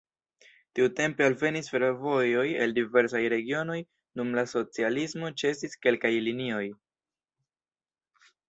Tiutempe alvenis fervojoj el diversaj regionoj, dum la socialismo ĉesis kelkaj linioj.